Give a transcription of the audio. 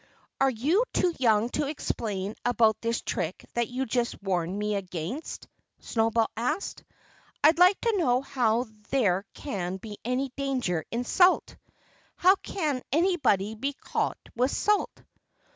"Are you too young to explain about this trick that you just warned me against?" Snowball asked. "I'd like to know how there can be any danger in salt. How can anybody be caught with salt?"